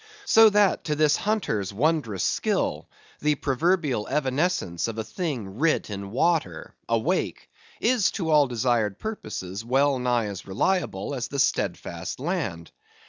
So that to this hunter's wondrous skill, the proverbial evanescence of a thing writ in water, a wake, is to all desired purposes well nigh as reliable as the steadfast land.